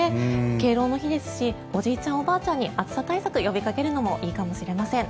敬老の日ですしおじいちゃん、おばあちゃんに暑さ対策、呼びかけるのもいいかもしれません。